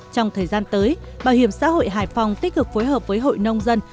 trong thời gian tới bảo hiểm xã hội hải phòng tích cực phối hợp với hội nông dân